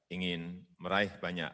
ingin meraih banyak